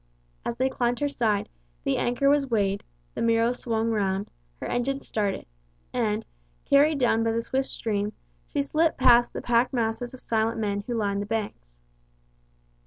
As they climbed her side, the anchor was weighed, the Miro swung round, her engines started, and, carried down by the swift stream, she slipped past the packed masses of silent men who lined the banks.